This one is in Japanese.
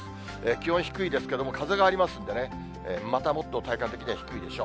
気温低いですけども、風がありますんでね、またもっと体感的には低いでしょう。